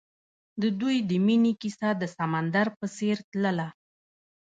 د دوی د مینې کیسه د سمندر په څېر تلله.